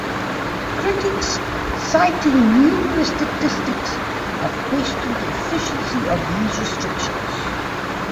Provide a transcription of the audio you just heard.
Critics, citing numerous statistics, have questioned the efficiency of these restrictions.